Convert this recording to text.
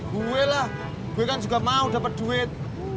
gue lah gue kan juga mau dapat duit